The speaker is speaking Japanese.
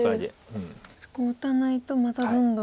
そこ打たないとまたどんどん。